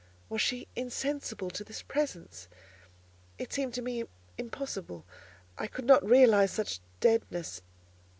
Was she insensible to this presence? It seemed to me impossible: I could not realize such deadness.